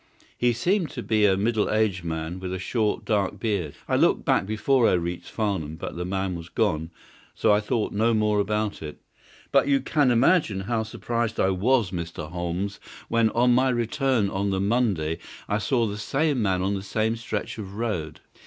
He seemed to be a middle aged man, with a short, dark beard. I looked back before I reached Farnham, but the man was gone, so I thought no more about it. But you can imagine how surprised I was, Mr. Holmes, when on my return on the Monday I saw the same man on the same stretch of road.